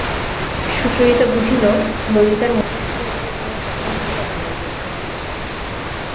সুচরিতা বুঝিল, ললিতার মনের ভিতর একটা কোনো কথা ঘুরিয়া বেড়াইতেছে।